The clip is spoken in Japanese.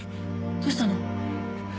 どうしたの？